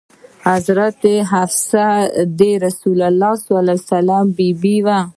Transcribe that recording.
حضرت حفصه د رسول الله بي بي وه.